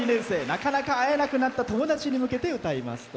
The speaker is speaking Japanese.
なかなか会えなくなった友達に向けて歌います。